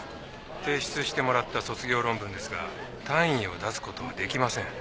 提出してもらった卒業論文ですが単位を出すことはできません。